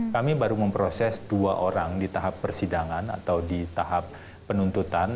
kami baru memproses dua orang di tahap persidangan atau di tahap penuntutan